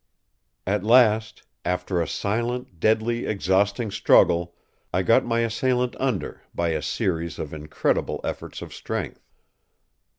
At last, after a silent, deadly, exhausting struggle, I got my assailant under by a series of incredible efforts of strength.